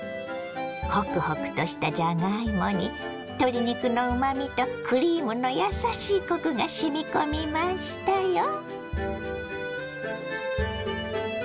ホクホクとしたじゃがいもに鶏肉のうまみとクリームのやさしいコクがしみ込みましたよ。